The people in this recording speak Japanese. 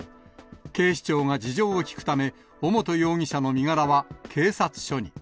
警視庁が事情を聴くため、尾本容疑者の身柄は警察署に。